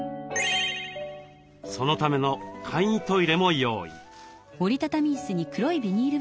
そのための簡易トイレも用意。